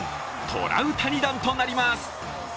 トラウタニ弾となります。